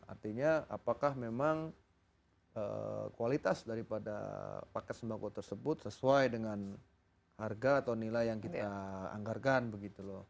artinya apakah memang kualitas daripada paket sembako tersebut sesuai dengan harga atau nilai yang kita anggarkan begitu loh